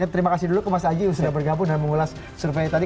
terima kasih dulu ke mas aji sudah bergabung dan mengulas survei tadi